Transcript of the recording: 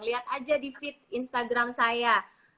lihat aja di feed instagram saya